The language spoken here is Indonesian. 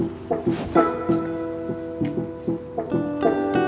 gua udara lu tak beres